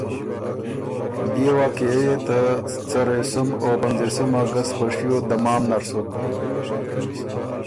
بئے واقعیه يې ته څرېسُم او پنځېسُم اګست په شیو دمام نر سُک